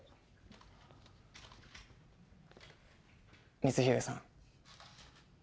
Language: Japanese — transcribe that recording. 光秀さん